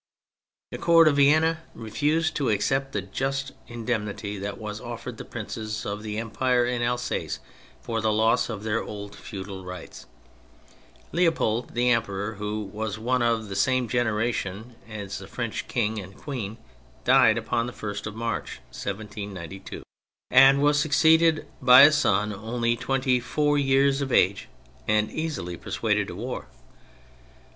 The Court of Vienna refused to accept a just indemnity that was offered the princes of the empire in Alsace for the loss of their old feudal rights; Leopold, the emperor, who was one of the same generation as the French King and Queen, died upon the 1st of March, 1792, and was succeeded by a son only twenty four years of age and easily persuaded to war.